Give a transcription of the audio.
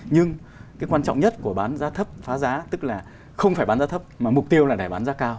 nhưng cái quan trọng nhất của bán giá thấp phá giá tức là không phải bán giá thấp mà mục tiêu là để bán giá cao